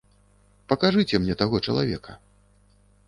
Пакажыце мне таго чалавека.